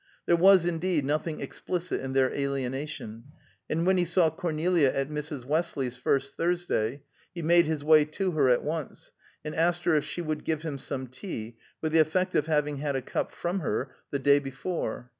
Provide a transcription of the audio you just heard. There was, indeed, nothing explicit in their alienation, and when he saw Cornelia at Mrs. Westley's first Thursday, he made his way to her at once, and asked her if she would give him some tea, with the effect of having had a cup from her the day before.